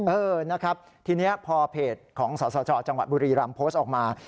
เออนะครับทีนี้พอเพจของสสจจังหวัดบุรีรำโพสต์ออกมา